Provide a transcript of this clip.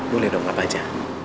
boleh dong apa aja